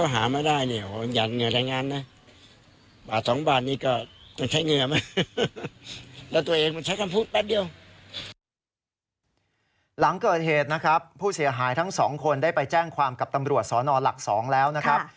หลังเกิดเหตุนะครับผู้เสียหายทั้งสองคนได้ไปแจ้งความกับตำรวจสนหลัก๒แล้วนะครับ